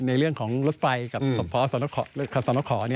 ในเรื่องของรถไฟกับสนขอ